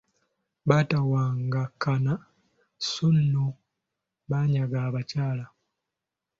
Baatawankana so nno banyaga abakyala.